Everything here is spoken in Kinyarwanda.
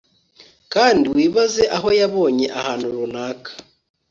Kandi wibaze aho yabonye ahantu runaka